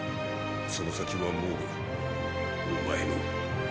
その先は蒙武お前の。！